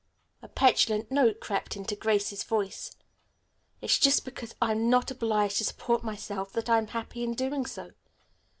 A petulant note crept into Grace's voice. "It's just because I'm not obliged to support myself that I'm happy in doing so.